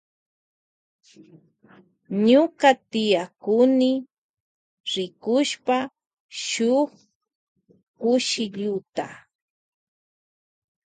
Ñuka tiyakuni rkushp shuk kushilluta.